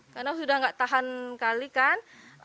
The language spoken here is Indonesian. karena sudah enggak tahan kali kan